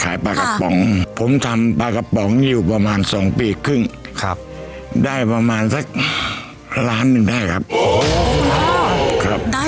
ปลากระป๋องผมทำปลากระป๋องอยู่ประมาณสองปีครึ่งครับได้ประมาณสักล้านหนึ่งได้ครับ